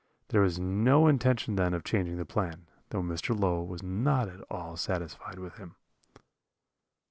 There was no intention then of changing the plan, though Mr. Low was not at all satisfied with him.